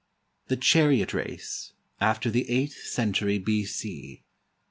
THE CHARIOT RACE [After the eighth century B.C.